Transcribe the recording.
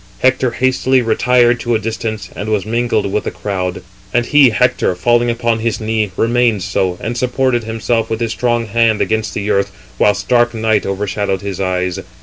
Hector hastily retired to a distance, and was mingled with the crowd. And he (Hector) falling upon his knee, remained so, and supported himself with his strong hand against the earth, whilst dark night overshadowed his eyes.